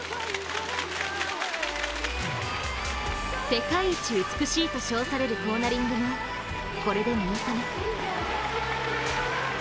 世界一美しいと称されるコーナリングもこれで見納め。